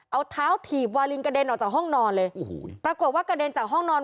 เอาเท้าถีบวาลินกระเด็นออกจากห้องนอนเลยโอ้โหปรากฏว่ากระเด็นจากห้องนอน